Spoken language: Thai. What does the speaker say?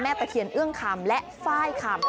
ตะเคียนเอื้องคำและฝ้ายคำ